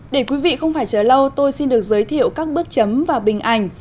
để quý vị không phải chờ lâu tôi xin được giới thiệu các bước chấm và bình ảnh